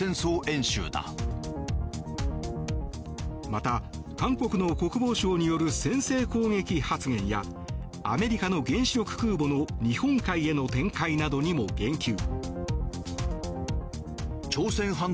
また韓国の国防相による先制攻撃発言やアメリカの原子力空母の日本海への展開などにも言及。